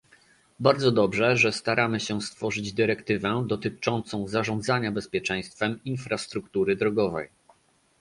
Bardzo dobrze, że staramy się stworzyć dyrektywę dotyczącą zarządzania bezpieczeństwem infrastruktury drogowej